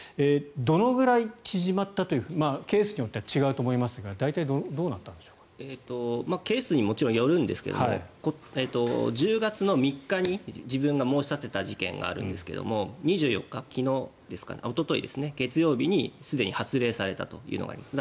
どのくらい縮まったのかケースによって違うと思いますがケースによるんですが１０月３日に自分が申し立てた事件があるんですが２４日、おとといの月曜日にすでに発令されたというのがあります。